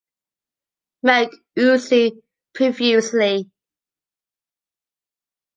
milk oozing profusely